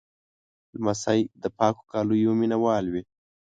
لمسی د پاکو کالیو مینهوال وي.